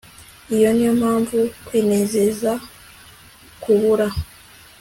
iyi niyo mpamvu kwinezeza kubura